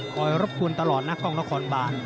ขอรบคุณตลอดกล้องนครบาน